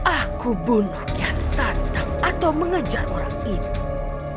aku bunuh kian satan atau mengejar orang itu